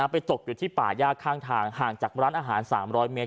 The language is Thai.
ตกอยู่ที่ป่าย่าข้างทางห่างจากร้านอาหาร๓๐๐เมตร